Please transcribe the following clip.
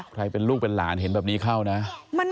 ใครเป็นลูกเป็นหลานเห็นแบบนี้เข้านะ